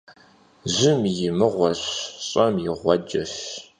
Jım yi mığueş, ş'em yi ğueceş.